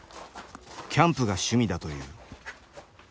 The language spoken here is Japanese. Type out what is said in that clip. キャンプが趣味だという。